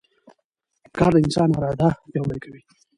کار د انسان اراده پیاوړې کوي